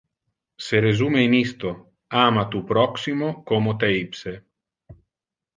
Se resume in isto: “Ama tu proximo como te ipse”.